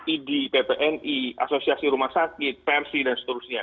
idi ppni asosiasi rumah sakit versi dan seterusnya